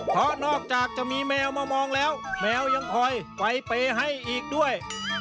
เพราะนอกจากจะมีแมวมามองแล้วแมวยังคอยไฟเปย์ให้อีกด้วย